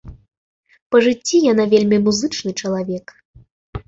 Па жыцці яна вельмі музычны чалавек.